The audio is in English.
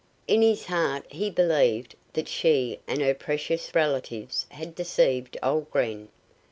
In his heart he believed that she and her precious relatives had deceived old Gren.